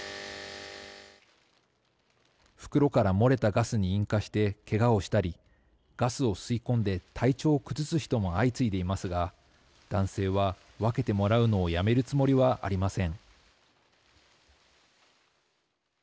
袋から漏れたガスに引火してけがをしたり、ガスを吸い込んで体調を崩す人も相次いでいますが男性は分けてもらうのをやめるつもりはありません。